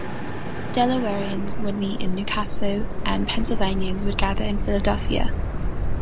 Delawareans would meet in New Castle and Pennsylvanians would gather in Philadelphia.